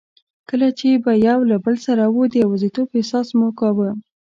کله چي به یو له بل سره وو، د یوازیتوب احساس به مو کاوه.